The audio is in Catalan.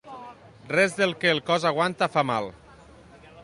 Res del que el cos aguanta fa mal.